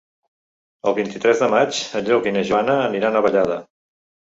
El vint-i-tres de maig en Lluc i na Joana aniran a Vallada.